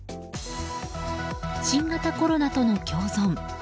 新型コロナとの共存。